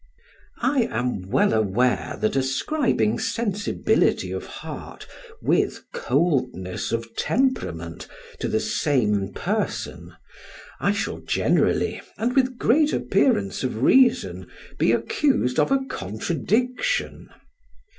I am well aware that ascribing sensibility of heart with coldness of temperament to the same person, I shall generally, and with great appearance of reason, be accused of a contradiction.